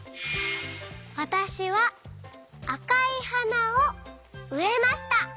わたしはあかいはなをうえました。